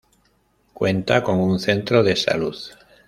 Cuenta con una centro de salud.